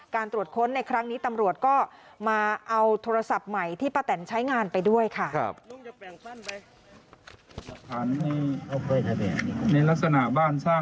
ตรวจค้นในครั้งนี้ตำรวจก็มาเอาโทรศัพท์ใหม่ที่ป้าแตนใช้งานไปด้วยค่ะ